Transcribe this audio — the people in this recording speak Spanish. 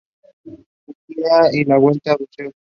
Lucía y la vuelta Buceo.